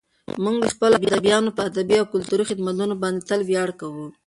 موږ د خپلو ادیبانو په ادبي او کلتوري خدمتونو باندې تل ویاړ کوو.